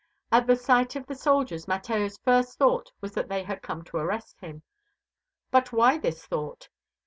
At the sight of the soldiers Mateo's first thought was that they had come to arrest him. But why this thought?